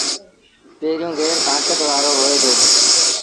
پيريوݩ گير تآݩڪت وآرو هوئي دو۔